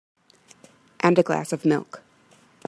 And a glass of milk.